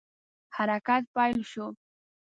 حرکت پیل شو.